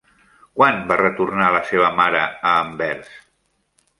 Quan va retornar la seva mare a Anvers?